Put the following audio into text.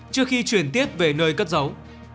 trước khi chuyển tiếp về nơi cất giấu